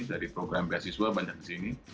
dari program beasiswa banyak di sini